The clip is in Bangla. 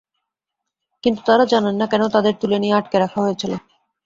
কিন্তু তাঁরা জানেন না, কেন তাঁদের তুলে নিয়ে আটকে রাখা হয়েছিল।